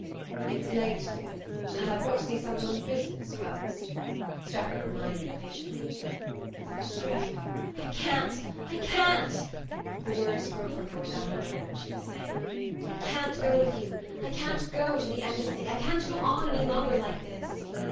"It's late, dear; and I've got to see someone on business first," Strefford reminded her patiently. "Oh, Streff I can't, I can't!" The words broke from her without her knowing what she was saying. "I can't go with you I can't go to the Embassy. I can't go on any longer like this...."